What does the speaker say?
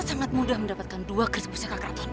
kita sangat mudah mendapatkan dua kris pusaka keratonnya